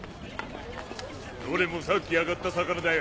どれもさっき揚がった魚だよ